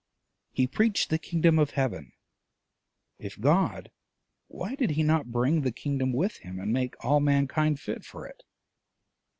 He preached the kingdom of heaven: if God, why did he not bring the kingdom with him and make all mankind fit for it?